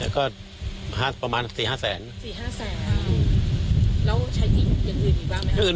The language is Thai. แล้วก็ห้าประมาณสี่ห้าแสนสี่ห้าแสนอ่าแล้วใช้อีกอย่างอื่นอีกบ้างไหม